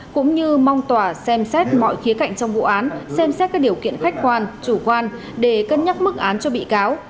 cũng như mong tòa xem xét mọi khía cạnh trong vụ án xem xét các điều kiện khách quan chủ quan để cân nhắc mức án cho bị cáo